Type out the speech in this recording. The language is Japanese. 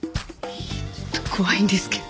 ちょっと怖いんですけど。